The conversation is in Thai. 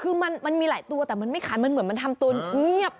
คือมันมีหลายตัวแต่มันไม่คันมันเหมือนมันทำตัวเงียบ